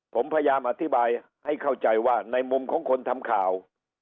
ผมพยายามอธิบายให้เข้าใจว่าในมุมของคนทำข่าว